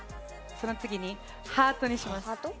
その次にハートにします。